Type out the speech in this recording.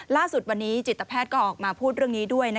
ล่าสุดวันนี้จิตแพทย์ก็ออกมาพูดเรื่องนี้ด้วย